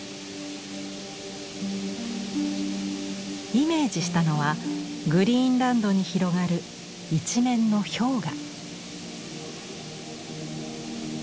イメージしたのはグリーンランドに広がる一面の氷河。